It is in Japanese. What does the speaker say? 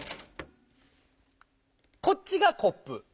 こっちがコップ。